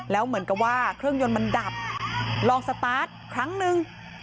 แล้วเหมือนกับว่าเครื่องยนต์มันดับลองสตาร์ทครั้งนึง